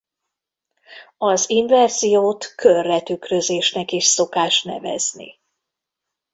Az inverziót körre tükrözésnek is szokás nevezni.